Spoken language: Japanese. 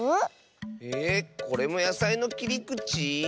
えこれもやさいのきりくち？